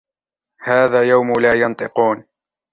هذا يوم لا ينطقون